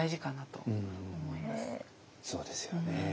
そうですよね。